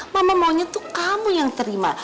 mama maunya tuh kamu yang terima